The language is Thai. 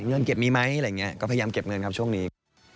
ว่าเก็บมีมั้ยอะไรอย่างเงี้ยก็พยายามเก็บเงินครับช่วงนี้